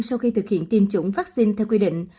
sau khi thực hiện tiêm chủng vaccine theo quy định